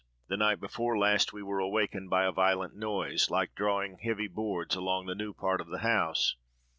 The night before last we were awakened by a violent noise, like drawing heavy boards along the new part of the house.